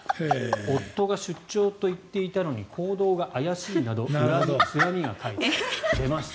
夫が出張と言っていたのに行動が怪しいなど恨みつらみが書いてあった。